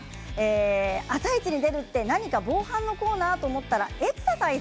「あさイチ」に出るって何か防犯のコーナーと思ったらエクササイズ。